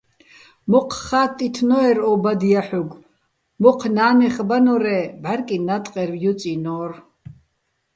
მოჴ ხატტითნო́ერ ო ბადო̆ ჲაჰ̦ოგო̆, მოჴ ნა́ნეხ ბანორე́, ბჵარკი ნატყერვ ჲუწჲინო́რ.